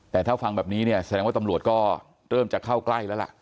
แต่ถ้าฟังแบบนี้เนี่ยแสดงว่าตำรวจก็เริ่มจะเข้าใกล้แล้วล่ะ